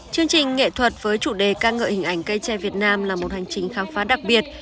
chương trình nghệ thuật với chủ đề ca ngợi hình ảnh cây tre việt nam là một hành trình khám phá đặc biệt